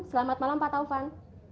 selamat malam pak taufan